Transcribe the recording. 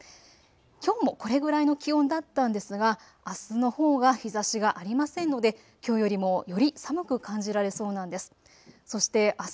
きょうもこれぐらいの気温だったんですが、あすのほうが日ざしがありませんのできょうよりもより寒く感じられそうなんです。